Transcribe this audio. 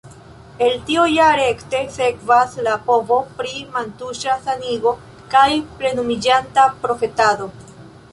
El tio ja rekte sekvas la povo pri mantuŝa sanigo kaj plenumiĝanta profetado.